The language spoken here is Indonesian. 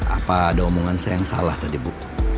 apa ada omongan saya yang salah tadi bu